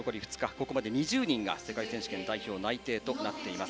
ここまで２０人が世界選手権代表内定となっています。